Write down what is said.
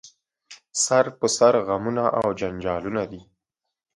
سر په سر غمونه او جنجالونه دي